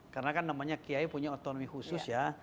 karena kan namanya kiai punya otonomi khusus ya